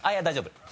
大丈夫？